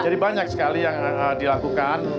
jadi banyak sekali yang dilakukan